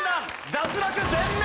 脱落全滅！